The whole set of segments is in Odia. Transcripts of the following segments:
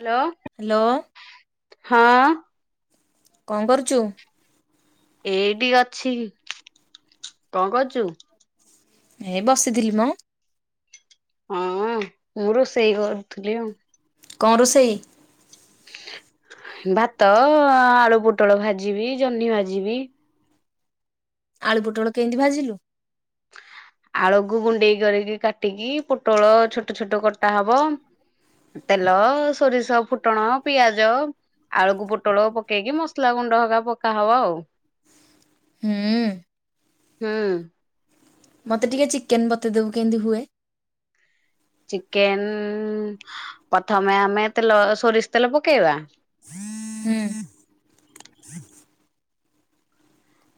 ହ୍ୟାଲୋ। ହ୍ୟାଲୋ। ହଁ। କଁ କରୁଚୁ? ଏଇଠି ଅଛି, କଁ କରଚୁ? ଏ ବସିଥିଲି ମ। ହଁ ମୁଁ ରୋଷେଇ କରୁଥିଲି ଆଉ। କଁ ରୋଷେଇ? ଭାତ, ଆଳୁ ପୋଟଳ ଭାଜିବି, ଜହ୍ନି ଭାଜିବି। ଆଳୁ ପୋଟଳ କେମିତି ଭାଜିଲୁ? ଆଳୁକୁ ଗୁଣ୍ଡେଇ କରିକି କାଟିକି ପୋଟଳ ଛୋଟ ଛୋଟ କଟା ହବ। ତେଲ ସୋରିଷ ଫୁଟଣ ପିଆଜ ଆଳକୁ ପୋଟଳ ପକେଇକି ମସଲା ଗୁଣ୍ଡ ହକା ପକା ହବ ଆଉ। ହୁଁ। ହୁଁ। ମତେ ଟିକେ ଚିକେନ ବତେଇଦବୁ କେମିତି ହୁଏ। ଚିକେନ ପ୍ରଥମେ ଆମେ ତେଲ ସୋରିଷ ତେଲ ପକେଇବା। ହୁଁ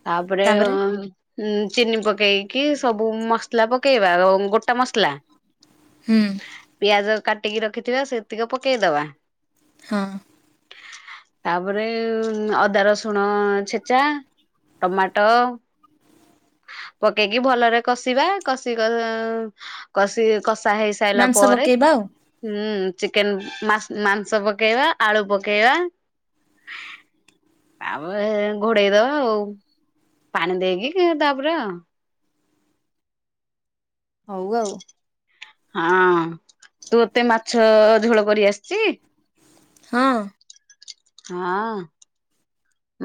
ତାପରେ ଉଁ ଚିନି ପକେଇକି ସବୁ ମସଲା ପକେଇବା ଅଁ ଗୋଟା ମସଲା। ହୁଁ। ପିଆଜ କାଟିକି ରଖିଥିବା ସେତିକ ପକେଇଦବା। ହଁ। ତାପରେ ଅଦା ରସୁଣ ଛେଚା। ଟମାଟ। ପକେଇକି ଭଲରେ କଷିବା କଷି କ କଷି କଷା ହେଇ ସାଇଲା ମାଂସ ପରେ ପକେଇବା ଆଉ ହୁଁ ଚିକେନ ମା ମାଂସ ପକେଇବା ଆଳୁ ପକେଇବା। ତାପରେ ଘୋଡେଇଦବା ଆଉ ପାଣି ଦେଇକି। ଇଏ ତାପରେ ହଉ ଆଉ। ହଁ ତୋତେ ମାଛ ଝୋଳ କରି ଆସଚି। ହଁ। ହଁ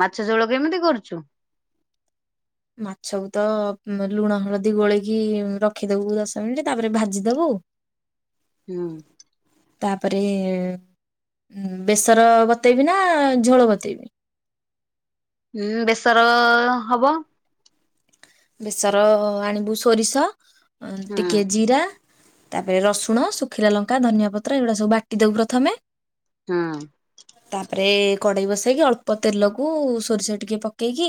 ମାଛ ଝୋଳ କେମିତି କରୁଚୁ? ମାଛକୁ ତ ଲୁଣ ହଳଦୀ ଗୋଳେଇକି ରଖିଦବୁ ଦଶ ମିନିଟ ତାପରେ ଭାଜିଦବୁ। ହୁଁ। ତାପରେ ବେସର ବତେଇବି ନା ଝୋଳ ବତେଇବି? ହୁଁ ବେସର ହବ। ବେସର ଆଣିବୁ ସୋରିଷ ହୁଁ ଟିକେ ଜିରା ତାପରେ ରସୁଣ ଶୁଖିଲାଲଙ୍କା, ଧନିଆପତ୍ର ଏଇଗୁଡା ସବୁ ବାଟି ଦବୁ ପ୍ରଥମେ। ହଁ। ତାପରେ କଡେଇ ବସେଇକି ଅଳ୍ପ ତେଲକୁ ସୋରିଷ ଟିକେ ପକେଇକି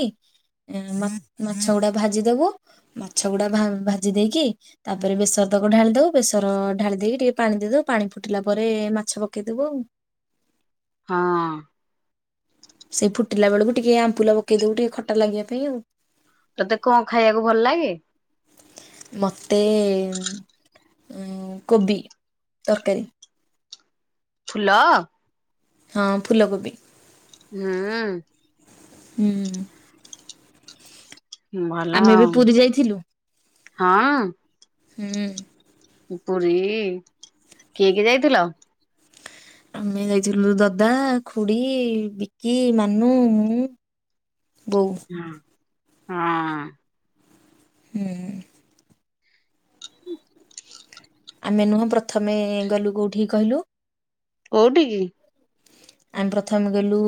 ଏ ମା ମାଛ ଗୁଡା ଭାଜିଦବୁ ମାଛ ଗୁଡା ଭା ଭାଜି ଦେଇକି ତାପରେ ବେସରତକ ଢାଳି ଦବୁ ବେସର ଢାଳି ଦେଇକି ଟିକେ ପାଣି ଦେଇଦବୁ ପାଣି ଫୁଟିଲା ପରେ ମାଛ ପକେଇଦବୁ ଆଉ। ହଁ। ସେ ଫୁଟିଲା ବେଳୁକୁ ଟିକେ ଆମ୍ବୁଲ ପକେଇଦବୁ ଟିକେ ଖଟା ଲାଗିବା ପାଇଁ ଆଉ। ତତେ କଣ ଖାଇଆକୁ ଭଲ ଲାଗେ? ମତେ ଉଁ କୋବି ତରକାରୀ। ଫୁଲ? ହଁ ଫୁଲକୋବି। ହୁଁ। ହୁଁ। ଭଲ ଆମେ ଏବେ ଆଉ ପୁରୀ ଯାଇଥିଲୁ ହଁ ହୁଁ। ପୁରୀ କିଏ କିଏ ଯାଇଥିଲ? ଆମେ ଯାଇଥିଲୁ ଦାଦା, ଖୁଡି, ବିକି, ମାନୁ ମୁଁ ବୋଉ। ହଁ ହଁ ହୁଁ [unintelligible] ଆମେ ନୁହଁ ପ୍ରଥମେ ଗଲୁ କୋଉଠିକି କହିଲୁ କୋଉଟିକି? ଆମେ ପ୍ରଥମେ ଗଲୁ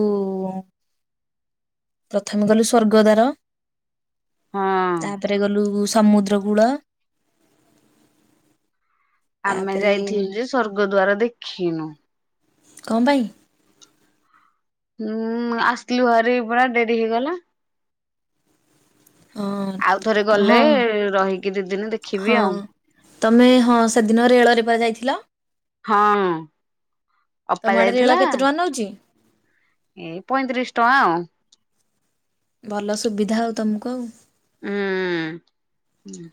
ପ୍ରଥମେ ଗଲୁ ସ୍ଵର୍ଗଦାର। ହଁ ତାପରେ ଗଲୁ ସମୁଦ୍ର କୂଳ ଆମେ ତାପରେ ଯାଇଥିଲୁ ଯେ ସ୍ବର୍ଗଦ୍ଵାର ଦେଖିନୁ। କଣ ପାଇଁ? ଉୁଁ ଆସିଲୁ ଭାରି ପରା ଡେରି ହେଇଗଲା। ଆଉଥରେ ହଁ ଗଲେ ହଁ ରହିକି ଦି ଦିନ ହଁ ଦେଖିବି ଆଉ। ତମେ ହଁ ସେଦିନ ରେଳରେ ପା ଯାଇଥିଲ। ହଁ ତମ ଅପା ଆଡେ ରେଳ ଯାଇଥିଲା। କେତେ ଟଙ୍କା ନଉଛି ଏଇ ପଇଁତିରିଶ ଟଙ୍କା ଆଉ। ଭଲ ସୁବିଧା ଆଉ ତୁମୁକୁ ଆଉ। ଉଁ ଉଁ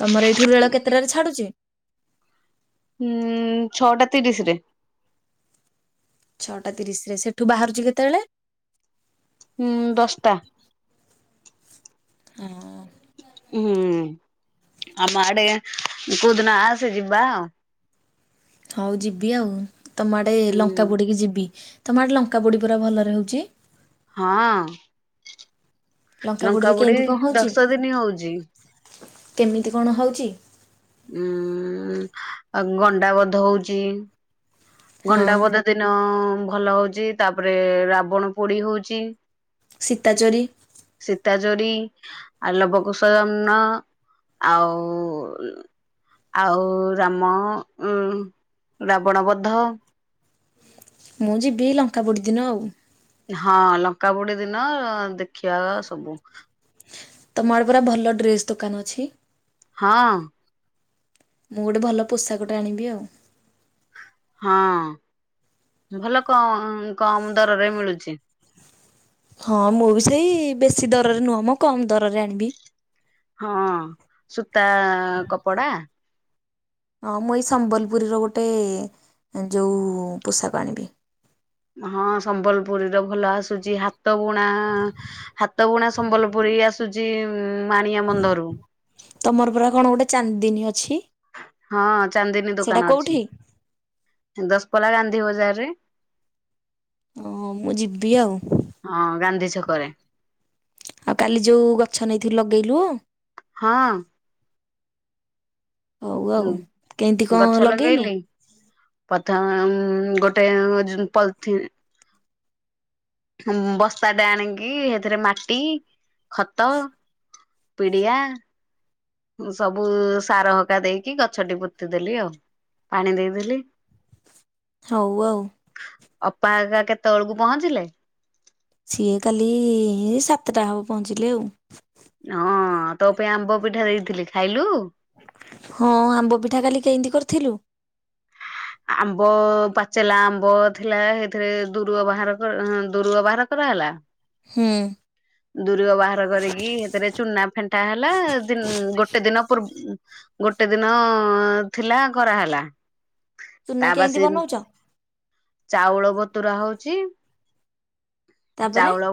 ତମର ଏଠୁ ରେଳ କେତେଟାରେ ଛାଡୁଚି? ହୁଁ ଛଅଟା ତିରିଶ ରେ ଛଅଟା ତିରିଶରେ ସେଠୁ ବାହାରୁଛି କେତେବେଳେ? ହୁଁ ଦଶଟା ହଁ ହୁଁ ଆମ ଆଡେ କୋଉଦିନ ଆସେ ଯିବା ଆଉ ହଉ ଯିବି ଆଉ ତମ ଆଡ଼େ ଲଙ୍କା ହୁଁ। ପୋଡ଼ିକି ଯିବି ତମ ଆଡ଼େ ଲଙ୍କା ପୋଡ଼ି ପୁରା ଭଲରେ ହେଉଛି। ହଁ ପୋଡିରେ ଲଙ୍କା ପୁଡି କେମିତି କଣ ହଉଛି ଦଶ ଦିନ ହଉଛି। କେମିତି କଣ ହେଉଛି? ଉଁ ଆଉ ଗଣ୍ଡାାବଧ ହଉଚି। ହଁ ଗଣ୍ଡାପୋଦ ଦିନ ଭଲ ହଉଛି ତାପରେ ରାବଣ ପୋଡି ହଉଛି। ସୀତାଚୋରି। ସୀତାଚୋରି ଆ ଲବକୁଶ ଜନ୍ମ। ଆଉ ଆଉ ରାମ ଉ ରାବଣ ବଧ। ମୁଁ ଯିବି ଲଙ୍କା ପୋଡ଼ିଦିନ ଆଉ। ହଁ ଲଙ୍କା ପୁଡି ଦିନ ଦେଖିବା ସବୁ ତମ ଆଡେ ପା ଭଲ ଡ୍ରେସ୍ ଦୋକାନ ଅଛି ହଁ ମୁଁ ଗୋଟେ ଭଲ ପୋଷାକଟା ଆଣିବି ଆଉ। ହଁ ଭଲ କ କମ ଦରରେ ମିଳୁଛି। ହଁ ମୁଁ ବି ସେଇ ବେଶୀ ଦରରେ ନୁହଁ ମୁଁ କମ୍ ଦରରେ ଆଣିବି। ହଁ ସୂତା କପଡା। ହଁ ମୁଁ ଏଇ ସମ୍ବଲପୁରୀର ଗୋଟେ ଯେଉଁ ପୋଷାକ ଆଣିବି। ହଁ ସମ୍ବଲପୁରୀ ର ଭଲ ଆସୁଛି ହାତ ବୁଣା। ହାତ ବୁଣା ସମ୍ବଲପୁରୀ ଆସୁଛି ମାଣିଆବନ୍ଧ ରୁ। ତମର ପୁରା କଣ ଗୋଟେ ଚାନ୍ଦିନୀ ଅଛି? ହଁ ଚାନ୍ଦିନୀ ସେଟା ଦୋକାନ ଅଛି କୋଉଠି? ଦଶପଲା ଗାନ୍ଧୀ ବଜାର ରେ ହଁ ମୁଁ ଯିବି ଆଉ। ହଁ ଗାନ୍ଧୀ ଛକରେ ଆଉ କାଲି ଯଉ ଗଛ ନେଇଥିଲୁ ଲଗେଇଲୁ? ହଁ। ହଉ ଆଉ। କେମିତି ହୁଁ କଣ ଗଛ ଲଗେଇଲୁ? ଲଗେଇଲି ପଥମେ ମୁଁ ଉଁ ଗୋଟେ ପଲଥିନ ବସ୍ତାଟେ ଆଣିକି ହେଥେରେ ମାଟି ଖତ ପିଡ଼ିଆା ସବୁ ସାର ହକା ଦେଇକି ଗଛଟି ପୋତିଦେଲି ଆଉ ପାଣି ଦେଇଦେଲି। ହଉ ଆଉ। ଅପା ହେକା କେତେବେଳକୁ ପହଁଞ୍ଚିଲେ? ସିଏ କାଲି ଏ ସାତଟା ହବ ପହଞ୍ଚିଲେ ଆଉ। ହଁ ତୋ ପାଇଁ ଆମ୍ବ ପିଠା ଦେଇଥିଲି ଖାଇଲୁ? ହଁ ଆମ୍ବ ପିଠା କାଲି କେନ୍ତି କରିଥିଲୁ? ଆମ୍ବ ପାଚେଲା ଆମ୍ବ ଥିଲା ହେଥିରେ ଦୁରୁଅ ବାହାର କ ଦୁରୁଅ ବାହାର କରା ହେଲା। ହୁଁ। ଦୁରୁଅ ବାହାର କରିକି ହେଥେରେ ଚୁନା ଫେଣ୍ଟା ହେଲା ଦିନ ଗୋଟେ ଦିନ ପୂର୍ବ ଗୋଟେ ଦିନ ଥିଲା କରାହେଲା। ଚୁନା କେମିତି ତାବାସି ବନଉଛ? ଚାଉଳ ବତୁରା ହଉଚି ତାପରେ ଚାଉଳ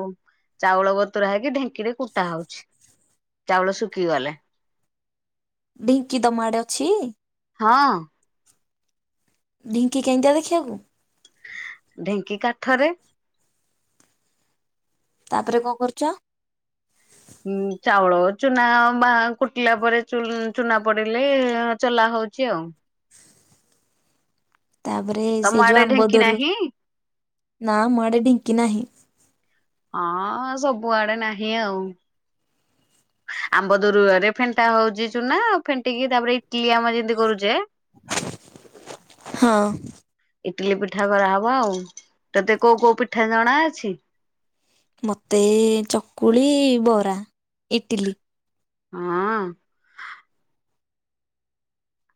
ଚାଉଳ ବତୁରା ହେଇକି ଢେଙ୍କିରେ କୁଟା ହଉଛି। ଚାଉଳ ଶୁଖି ଗଲେ। ଢିଙ୍କି ତମ ଆଡ଼େ ଅଛି? ହଁ। ଢିଙ୍କି କେମିତିଆ ଦେଖିବାକୁ? ଢେଙ୍କି କାଠରେ। ତାପରେ କଣ କରୁଛ? ଉଁ ଚାଉଳ ଚୁନା ବା କୁଟିଲା ପରେ ଚୁନା ପଡିଲେ ଚଲା ହଉଛି ଆଉ। ତାପରେ ସେ ତମ ଯୋଉ ଆଡେ ଆମ୍ବ ଢେଙ୍କି ଦୋରୁଅ ନାହିଁ? ନା ଆମ ଆଡେ ଢିଙ୍କି ନାହିଁ। ହଁ ସବୁଆଡେ ନାହିଁ ଆଉ। ଆମ୍ବ ଦୋରୁଅରେ ଫେଣ୍ଟା ହଉଛି ଚୁନା ଫେଣ୍ଟିକି ତାପରେ ଇଟଲି ଆମେ ଜିନ୍ତି କରୁଛେ ହଁ ଇଟିଲି ପିଠା କରାହବ ଆଉ ତତେ କୋଉ କୋଉ ପିଠା ଜଣା ଅଛି? ମୋତେ ଚକୁଳି ବରା ଇଟିଲି। ହଁ।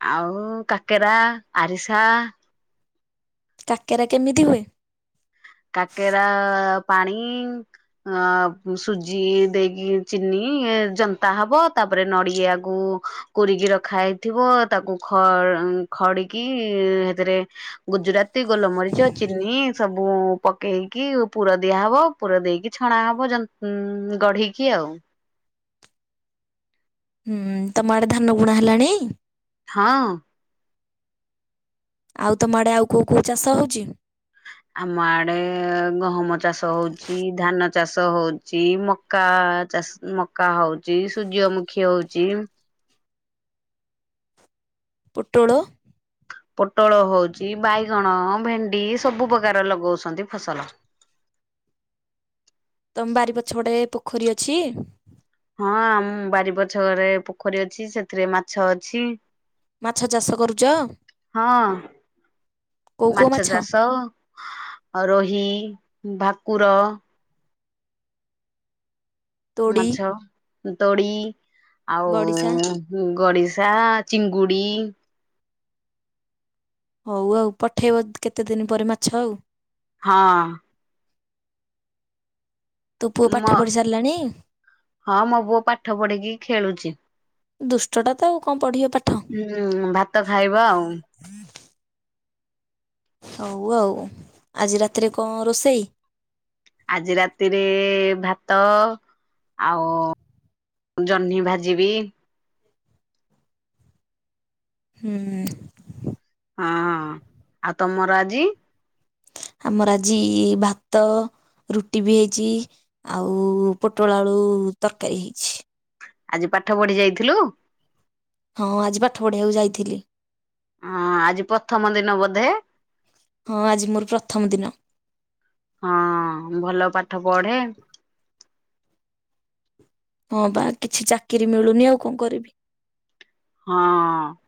ଆଉ କାକେରା ଆରିସା କାକେରା କେମିତି ହୁଏ? କାକେରା ପାଣି ଅ ସୁଜି ଦେଇକି ଚିନି ଜନ୍ତା ହବ ତାପରେ ନଡିଆକୁ କୁରିକି ରଖା ହେଇଥିବ ତାକୁ ଖ ଖଡିକି ହେଥେରେ ଗୁଜୁରାତି ଗୋଲମରିଚ ଚିନି ସବୁ ପକେଇକି ପୁର ଦିଆହବ ପୁର ଦେଇକି ଛଣା ହବ ଯନ୍ତ ଗଢେଇକି ଆଉ। ହୁଁ ତମ ଆଡ଼େ ଧାନ ବୁଣା ହେଲାଣି? ହଁ। ଆଉ ତମ ଆଡେ ଆଉ କୋଉ କୋଉ ଚାଷ ହଉଛି? ଆମ ଆଡେ ଗହମ ଚାଷ ହଉଛି ଧାନ ଚାଷ ହଉଛି ମକ୍ ମକା ଚାଷ୍ ମକା ହଉଚି ସୂର୍ଯ୍ୟମୁଖୀ ହଉଛି। ପୋଟଳ ପୋଟଳ ହଉଛି, ବାଇଗଣ ଭେଣ୍ଡି ସବୁ ପ୍ରକାର ଲଗଉଛନ୍ତି ଫସଲ। ତମ ବାରି ପଛ ପଟେ ପୋଖରୀ ଅଛି? ହଁ ଆମ୍ ବାରି ପଛଆଡେ ପୋଖରୀ ଅଛି ସେଥିରେ ମାଛ ଅଛି। ମାଛ ଚାଷ କରୁଛ? ହଁ କୋଉ କୋଉ ମାଛ ଚାଷ ରୋହି ଭାକୁର ତୋଡ଼ି, ମାଛ, ତୋଡ଼ି ଆଉ ଗଡ଼ିଶା ହୁଁ ଗଡିଶା-ଆ ଚିଙ୍ଗୁଡି ହଉ ଆଉ ପଠେଇବ କେତେ ଦିନ ପରେ ମାଛ ଆଉ। ହଁ। ତୋ ପୁଅ ପାଠ ମ ପଢି ସାରିଲାଣି? ହଁ ମୋ ପୁଅ ପାଠ ପଢିକି ଖେଳୁଛି। ଦୁଷ୍ଟଟା ତ ଆଉ କଣ ପଢ଼ିବ ପାଠ। ହୁଁ-ଉ-ଉ ଭାତ ଖାଇବ ଆଉ। ହଉ ଆଉ, ଆଜି ରାତିରେ କଣ ରୋଷେଇ? ଆଜି ରାତିରେ ଭାତ ଆଉ ଜହ୍ନି ଭାଜିବି। ହୁଁ। ହଁଅ-ଅ ଆଉ ତମର ଆଜି? ଆମର ଆଜି-ଇ-ଇ ଭାତ ରୁଟି ବି ହେଇଚି। ଆଉ-ଉ-ଉ ପୋଟଳ ଆଳୁ ତରକାରୀ ହେଇଛି। ଆଜି ପାଠ ପଢି ଯାଇଥିଲୁ? ହଁଅ-ଅ ଆଜି ପାଠ ପଢିବାକୁ ଯାଇଥିଲି। ହଁଅ-ଅ ଆଜି ପ୍ରଥମ ଦିନ ବୋଧେ? ହଁ ଆଜି ମୋର ପ୍ରଥମ ଦିନ। ହଁଅ-ଅ ଭଲ ପାଠ ପଢେ। ହଁ ପା କିଛି ଚାକିରି ମିଳୁନି ଆଉ କଣ କରିବି। ହଁ।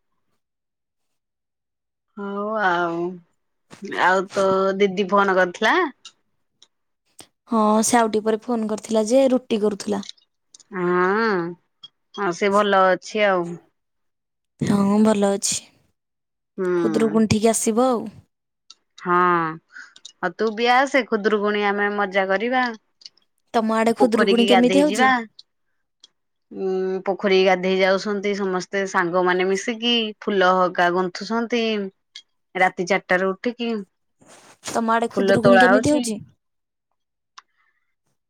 ହଉ ଆଉ, ଆଉ ତୋ ଦିଦି ଫୋନ୍ କରିଥିଲା? ହଁ ସେ ଆଉ ଟିକେ ପରେ ଫୋନ କରିଥିଲା ଯେ ରୁଟି କରୁଥିଲା। ହଁଅ-ଅ, ହଁ ସେ ଭଲ ଅଛି ଆଉ। ହଁ ଭଲ ଅଛି ହୁଁ ଖୁଦୁରୁକୁଣୀଠିକି ଆସିବ ଆଉ। ହଁ, ଆଉ ତୁ ବି ଆସେ ଖୁଦୁରୁକୁଣୀ ଆମେ ମଜା କରିବା। ତମ ଆଡେ ଖୁଦୁରୁକୁଣୀ ପୋଖରୀକି କେମିତି ଗାଧେଇ ହଉଛି? ଯିବା। ଉଁ ପୋଖରୀକୁ ଗାଧେଇ ଯାଉଛନ୍ତି ସମସ୍ତେ ସାଙ୍ଗମାନେ ମିଶିକି। ଫୁଲ ହଗା ଗୁନ୍ଥୁଛନ୍ତି ରାତି ଚାରିଟାରୁ ଉଠିକି। ତମ ଆଡ଼େ ଫୁଲ ଖୁଦୁରୁକୁଣୀ ତୋଳା କେମିତି ହଉଛି।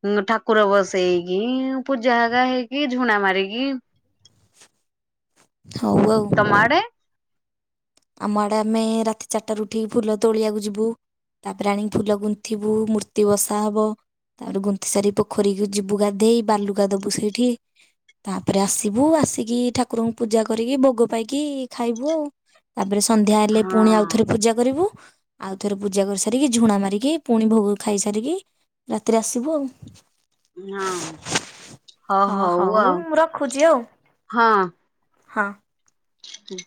ଉଁ ଠାକୁର ବସେଇକି ପୂଜା ହେଗା ହେଇକି ଝୁଣା ମାରିକି ହଉ ଆଉ। ତମ ଆଡେ? ଆମ ଆଡେ ଆମେ ରାତି ଚାରିଟାରୁ ଉଠିକି ଫୁଲ ତୋଳିବାକୁ ଯିବୁ। ତାପରେ ଆଣିକି ଫୁଲ ଗୁନ୍ଥିବୁ ମୂର୍ତ୍ତି ବସା ହବ। ତାପରେ ଗୁନ୍ଥି ସାରି ପୋଖରୀକୁ ଯିବୁ ଗାଧେଇ, ବାଲୁକା ଦବୁ ସେଇଠି। ତାପରେ ଆସିବୁ ଆସିକି ଠାକୁରଙ୍କୁ ପୂଜା କରିକି ଭୋଗ ପାଇକି ଖାଇବୁ ଆଉ। ତାପରେ ସନ୍ଧ୍ୟା ହେଲେ ହଁ। ପୁଣି ଆଉ ଥରେ ପୂଜା କରିବୁ। ଆଉ ଥରେ ପୂଜା କରି ସାରିକି ଝୁଣା ମାରିକି, ପୁଣି ଭୋଗ ଖାଇ ସାରିକି, ରାତିରେ ଆସିବୁ ଆଉ। ହଁ। ହଁ, ହଉ ମୁଁ ରଖୁଛି ଆଉ। ହଁ। ହୁଁ।